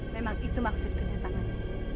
memang itu maksud kenyataanmu